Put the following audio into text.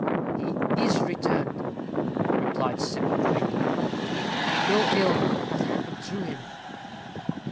"He is returned," replied Sybil, faintly; "and no ill hath happened to him."